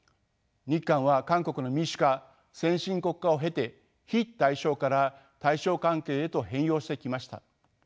日韓は韓国の民主化・先進国化を経て非対称から対称関係へと変容してきました。